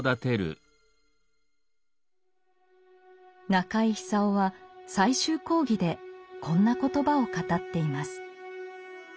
中井久夫は「最終講義」でこんな言葉を語っています。